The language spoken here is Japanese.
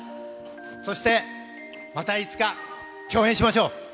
そして、またいつか共演しましょう。